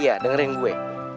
iya dengerin gue